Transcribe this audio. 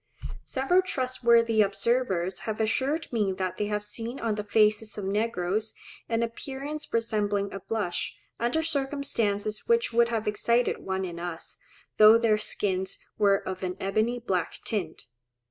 Several trustworthy observers have assured me that they have seen on the faces of negroes an appearance resembling a blush, under circumstances which would have excited one in us, though their skins were of an ebony black tint.